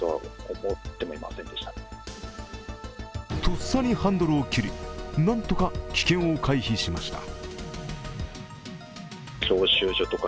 とっさにハンドルを切り、なんとか危険を回避しました。